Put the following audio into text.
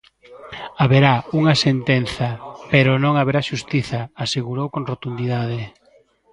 "Haberá unha sentenza, pero non haberá xustiza", asegurou con rotundidade.